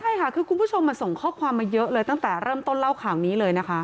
ใช่ค่ะคือคุณผู้ชมส่งข้อความมาเยอะเลยตั้งแต่เริ่มต้นเล่าข่าวนี้เลยนะคะ